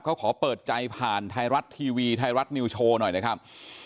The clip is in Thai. เขาขอเปิดใจผ่านไทยรัฐทีวีไทยรัฐนิวโชว์หน่อยนะครับ